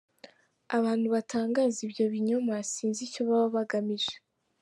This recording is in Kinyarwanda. Abantu batangaza ibyo binyoma sinzi icyo baba bagamije.